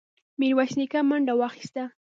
ميرويس نيکه منډه واخيسته.